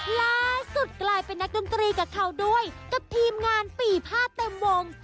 ล่าสุดกลายเป็นนักดนตรีกับเขาด้วยกับทีมงานปี่ผ้าเต็มวง